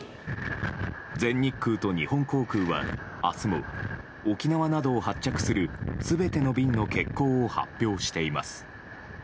全日空と日本航空は明日も沖縄などを発着する全ての便の欠航を発表しています。